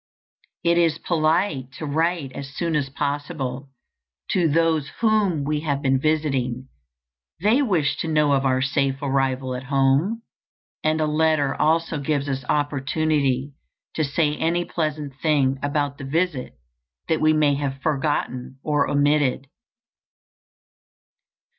It is polite to write as soon as possible to those whom we have been visiting: they wish to know of our safe arrival at home; and a letter also gives us opportunity to say any pleasant thing about the visit that we may have forgotten or omitted.